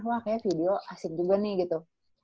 wah kayaknya video asik juga nih gitu